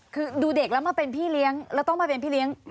คือดูเด็กแล้วมาเป็นพี่เลี้ยงแล้วต้องมาเป็นพี่เลี้ยง